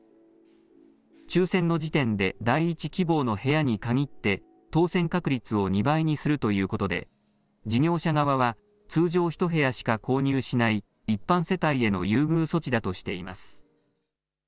抽せんの時点で第１希望の部屋に限って当せん確率を２倍にするということで事業者側は通常１部屋しか購入しない一般世帯への優遇措置だとしています。